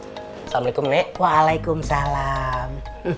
assalamualaikum nek waalaikumsalam